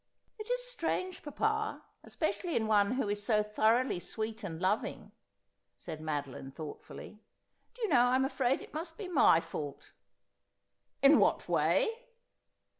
' It is strange, papa, especially in one who is so thoroughly sweet and loving,' said Madeline thoughtfully. ' Do you know I'm afraid it must be my fault.' ' In what way